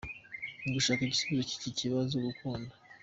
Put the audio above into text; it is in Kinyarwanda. Mu gushaka igisubizo cy’iki kibazo , gukunda.